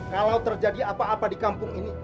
kalau terjadi apa apa di kampung ini